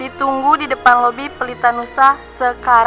itu bukan benar